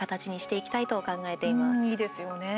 いいですよね。